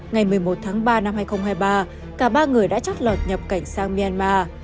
ngày một mươi một tháng ba năm hai nghìn hai mươi ba cả ba người đã chót lọt nhập cảnh sang myanmar